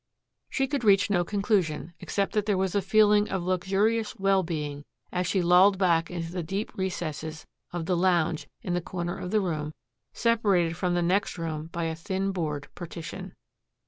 She could reach no conclusion, except that there was a feeling of luxurious well being as she lolled back into the deep recesses of the lounge in the corner of the room separated from the next room by a thin board partition.